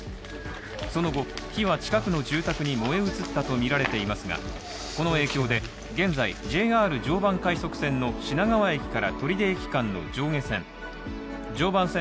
その後、火は近くの住宅に燃え移ったとみられていますが、この影響で現在、ＪＲ常磐快速線の品川駅から取手駅間の上下線。